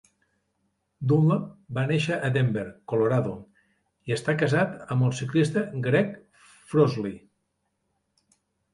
Dunlap va néixer a Denver, Colorado, i està casat amb el ciclista Greg Frozley.